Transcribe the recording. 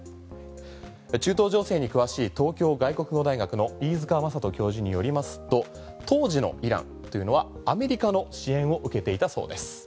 中東情勢に詳しい東京外国語大学の飯塚正人教授によりますと当時のイランというのはアメリカの支援を受けていたそうです。